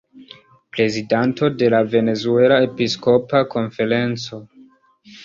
Prezidanto de la "Venezuela Episkopa Konferenco".